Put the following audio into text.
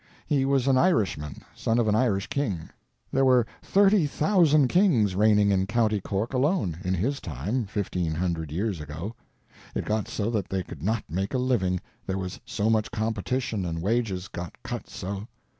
He was an Irishman, son of an Irish king—there were thirty thousand kings reigning in County Cork alone in his time, fifteen hundred years ago. It got so that they could not make a living, there was so much competition and wages got cut so.